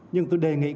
nhưng tôi đề nghị các